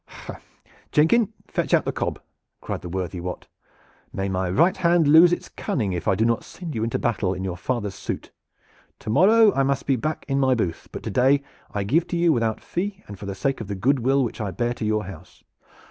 "Heh, Jenkin, fetch out the cob!" cried the worthy Wat. "May my right hand lose its cunning if I do not send you into battle in your father's suit! To morrow I must be back in my booth, but to day I give to you without fee and for the sake of the good will which I bear to your house.